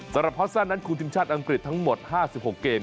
สำหรับฮอสซ่านั้นคุมทีมชาติอังกฤษทั้งหมด๕๖เกม